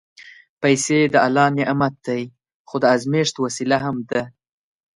پېسې د الله نعمت دی، خو د ازمېښت وسیله هم ده.